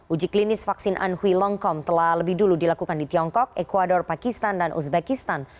uji klinis vaksin anhui longkong telah lebih dulu dilakukan di tiongkok ecuador pakistan dan uzbekistan